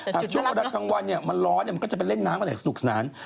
ช่วงเวลากลางวันมันร้อนมันก็จะไปเล่นน้ำกันอย่างสนุกสนาน